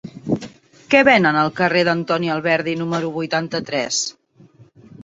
Què venen al carrer d'Antoni Alberdi número vuitanta-tres?